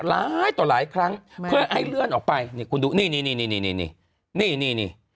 หลายต่อหลายครั้งเพื่อให้เลื่อนออกไปนี่คุณดูนี่นี่นี่นี่